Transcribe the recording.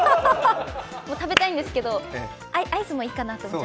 食べたいんですけど、アイスもいいかなと。